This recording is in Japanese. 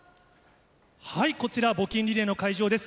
こちら、募金リレーの会場です。